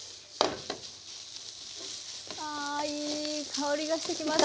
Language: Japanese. あいい香りがしてきました。